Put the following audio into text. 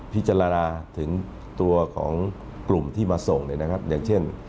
พิจารณาถึงตัวของกลุ่มที่มาส่งเนี่ยนะครับอย่างเช่น